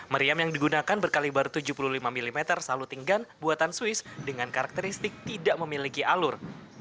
meriam yang digunakan berkalibar tujuh puluh lima mm saluting gun buatan swiss dengan karakteristik tidak memiliki alur